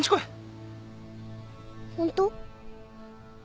ホント？